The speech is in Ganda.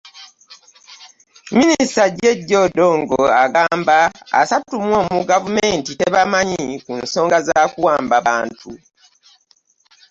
Minisita Jeje Odongo agamba asatu mu omu gavumenti tebamanyi ku nsonga z'ekiwamba bantu